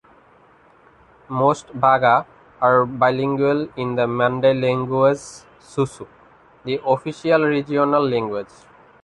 Most Baga are bilingual in the Mande language Susu, the official regional language.